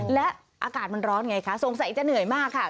และอากาศมันร้อนไงคะสงสัยจะเหนื่อยมากค่ะ